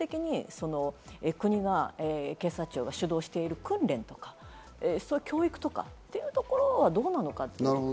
なので、そもそも根本的に国や警察庁が主導している訓練とか、教育とかというところはどうなのか。